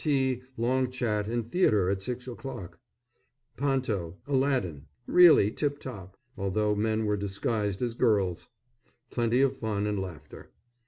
Tea, long chat and theatre at six o'clock. Panto., Alladin. Really tip top, although men were disguised as girls. Plenty of fun and laughter.